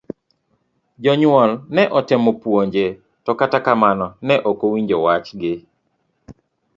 Jonyuol ne notemo puonje to kata kamano ne okowinjo wach gi.